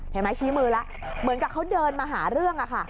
เหมือนกับเขาเดินมาหาเรื่อง